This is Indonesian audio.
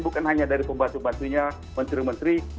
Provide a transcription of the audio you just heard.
bukan hanya dari pembantu pembantunya menteri menteri